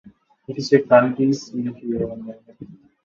Its county seat is Manitowoc.